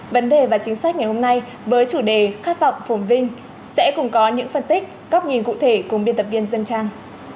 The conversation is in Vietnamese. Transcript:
vấn đề và chính sách ngày hôm nay với chủ đề khát vọng phồn vinh sẽ cùng có những phân tích góc nhìn cụ thể cùng biên tập viên dân trang